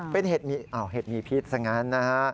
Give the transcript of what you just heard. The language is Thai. เป็นเห็ดมีอ้าวเห็ดมีพิษซะงั้นนะฮะ